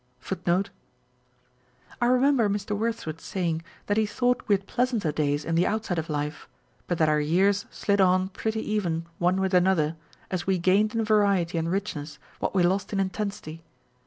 1 Our physical ones have but one condition for 1 I remember Mr. Wordsworth saying, that he thought we had pleasauter days in the outset of life, hut that our years slid on pretty even one with another, as we gained in variety and richness what we lost in intensity.